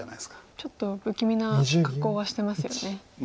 ちょっと不気味な格好はしてますよね。